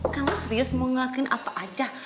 kalau serius mau ngelakuin apa aja